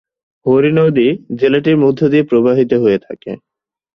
হরি নদী জেলাটির মধ্য দিয়ে প্রবাহিত হয়ে থাকে।